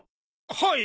はい！